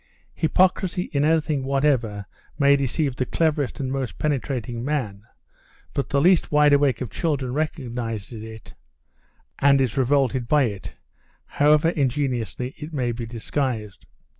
Hypocrisy in anything whatever may deceive the cleverest and most penetrating man, but the least wide awake of children recognizes it, and is revolted by it, however ingeniously it may be disguised.